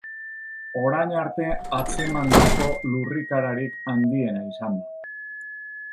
Orain arte atzemandako lurrikararik handiena izan da.